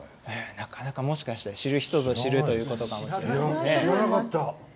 なかなかもしかしたら知る人ぞ知るということかもしれません。